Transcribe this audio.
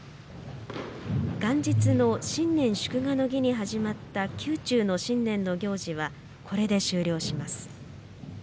元日の新年祝賀の儀に始まった宮中の新年の行事はこれで終了します。